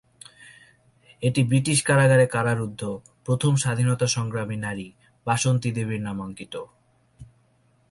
এটি ব্রিটিশ কারাগারে কারারুদ্ধ প্রথম স্বাধীনতা সংগ্রামী নারী বাসন্তী দেবীর নামাঙ্কিত।